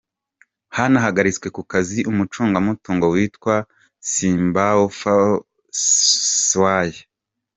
Hanahagaritswe ku kazi umucungamutungo witwa Simbaufoo Swai.